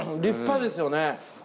立派ですよね。